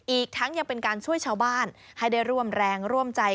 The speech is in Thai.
อีกทั้งยังเป็นการช่วยชาวบ้านให้ได้ร่วมแรงร่วมใจ